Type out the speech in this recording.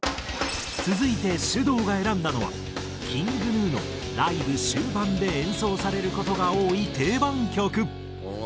続いてｓｙｕｄｏｕが選んだのはＫｉｎｇＧｎｕのライブ終盤で演奏される事が多い定番曲。